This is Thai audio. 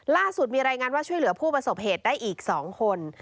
ล่าสุดมีรายงานว่าช่วยเหลือผู้ประสบเหตุได้อีก๒คน